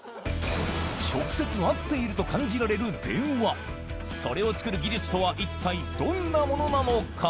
直接会っていると感じられる電話それを作る技術とは一体どんなものなのか？